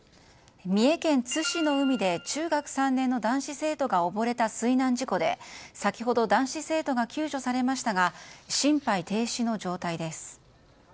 三重県津市の海で中学３年の男子生徒が溺れた水難事故で、先ほど男子生徒が救助されましたが心肺停止の状態です。